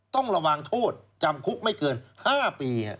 ต้องระวังโทษจำคุกไม่เกิน๕ปี